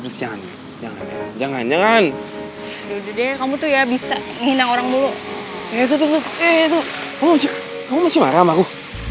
eh itu tuh kamu masih marah sama aku